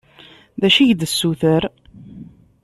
D acu i ak-d-tessuter?